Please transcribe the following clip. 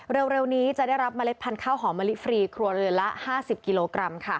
เร็วนี้จะได้รับเมล็ดพันธุ์ข้าวหอมมะลิฟรีครัวเรือนละ๕๐กิโลกรัมค่ะ